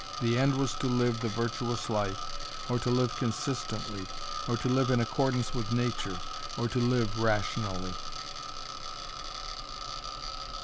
The end was to live the virtuous life, or to live consistently, or to live in accordance with nature, or to live rationally.